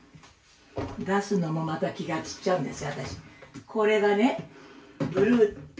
「出すのもまた気が散っちゃうんですよ私」